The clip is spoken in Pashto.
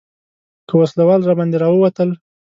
که وسله وال راباندې راووتل.